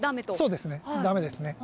そうですね、だめですね。